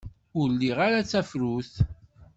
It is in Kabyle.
Ur liɣ ara tafrut.